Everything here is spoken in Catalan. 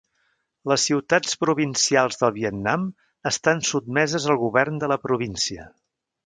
Les ciutats provincials del Vietnam estan sotmeses al govern de la província.